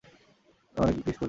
তোমাদের অনেক মিস করেছি!